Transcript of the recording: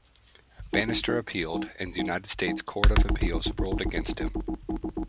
Banister appealed, and the United States Court of Appeals ruled against him.